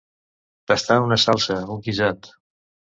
Tastar una salsa, un guisat.